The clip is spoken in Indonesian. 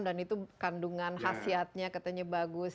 dan itu kandungan khasiatnya katanya bagus